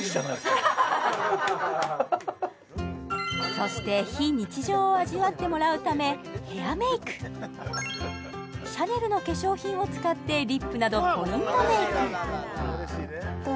そして非日常を味わってもらうためヘアメイクシャネルの化粧品を使ってリップなどポイントメイクどう？